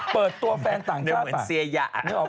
เปิดตัวแฟนต่างชาติป่ะเหมือนเสียหยะ